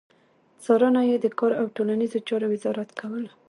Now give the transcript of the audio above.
څارنه يې د کار او ټولنيزو چارو وزارت کوله.